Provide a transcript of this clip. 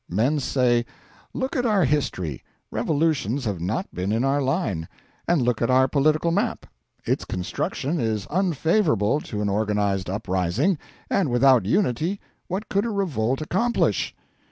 Men say: 'Look at our history, revolutions have not been in our line; and look at our political map, its construction is unfavourable to an organised uprising, and without unity what could a revolt accomplish?